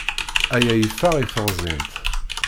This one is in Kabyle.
Aya yeffeɣ i teɣẓint.